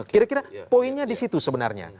kira kira poinnya disitu sebenarnya